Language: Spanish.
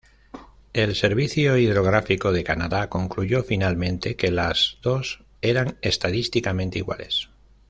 El Servicio Hidrográfico de Canadá concluyó finalmente que las dos eran estadísticamente iguales.